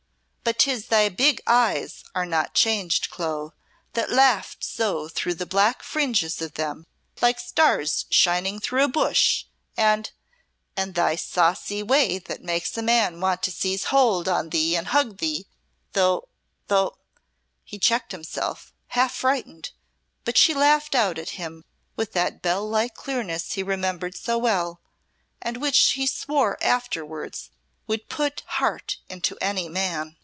But 'tis thy big eyes are not changed, Clo, that laughed so through the black fringes of them, like stars shining through a bush, and and thy saucy way that makes a man want to seize hold on thee and hug thee though though " He checked himself, half frightened, but she laughed out at him with that bell like clearness he remembered so well, and which he swore afterwards would put heart into any man.